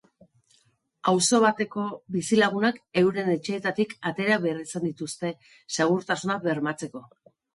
Auzo bateko bizilagunak euren etxeetatik atera behar izan dituzte, segurtasuna bermatzeko.